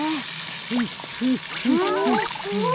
フッフッフッフッフ。